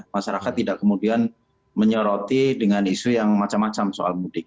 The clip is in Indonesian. masyarakat tidak kemudian menyoroti dengan isu yang macam macam soal mudik